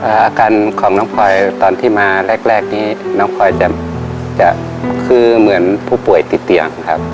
อาการของน้องพลอยตอนที่มาแรกแรกนี้น้องพลอยจะคือเหมือนผู้ป่วยติดเตียงครับ